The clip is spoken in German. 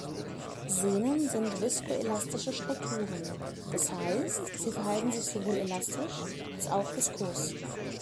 Sehnen sind viskoelastische Strukturen, das heißt, sie verhalten sich sowohl elastisch als auch viskos.